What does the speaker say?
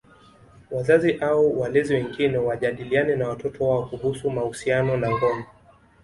Wazazi au walezi wengine wajadiliane na watoto wao kuhusu mahusiano na ngono